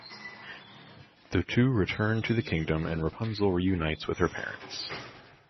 The two return to the kingdom and Rapunzel reunites with her parents.